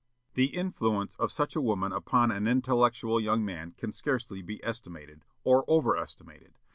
The influence of such a woman upon an intellectual young man can scarcely be estimated, or over estimated.